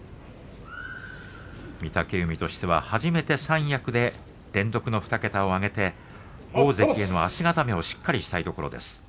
御嶽海としては初めて三役で連続の２桁を挙げて大関への足固めをしっかりとしたいところです。